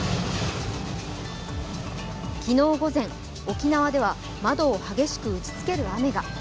昨日午前、沖縄では窓を激しく打ちつける雨が。